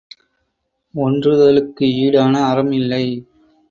ஒன்றுதலுக்கு ஈடான அறம் இல்லை!